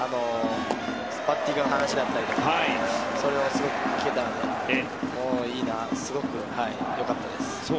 バッティングの話だったりそれを聞けたのですごく良かったです。